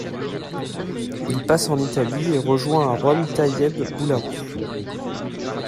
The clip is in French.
Il passe en Italie et rejoint à Rome Taïeb Boulahrouf.